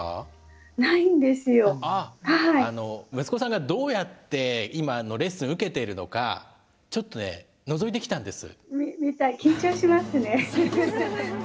息子さんがどうやって今レッスン受けているのかちょっとねのぞいてきたんです。